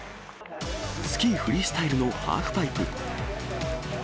スキーフリースタイルのハーフパイプ。